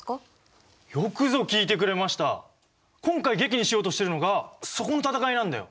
今回劇にしようとしてるのがそこの戦いなんだよ。